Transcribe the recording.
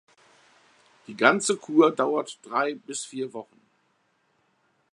Die ganze Kur dauerte drei bis vier Wochen.